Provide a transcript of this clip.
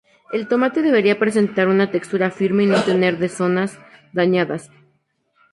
El tomate debería presentar una textura firme y no tener de zonas dañadas.